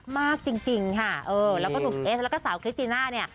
มากจริงค่ะเออแล้วก็หนุ่มเอสแล้วก็สาวคริสติน่าเนี่ย